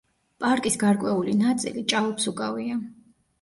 პარკის გარკვეული ნაწილი ჭაობს უკავია.